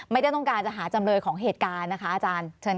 ไม่ได้ต้องการจะหาจำเลยของเหตุการณ์นะคะอาจารย์เชิญ